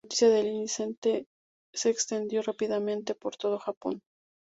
La noticia del incidente se extendió rápidamente por todo Japón.